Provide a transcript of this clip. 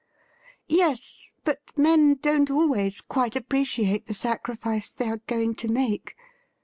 ' Yes ; but men don't always quite appreciate the sacrifice they are going to make.'